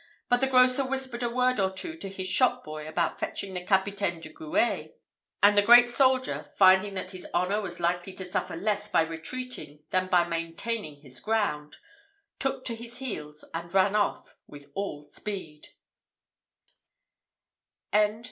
But the grocer whispered a word or two to his shop boy about fetching the Capitaine du Guêt; and the great soldier, finding that his honour was likely to suffer less by retreating than by maintaining his ground, took to his heels, and ran off with all speed.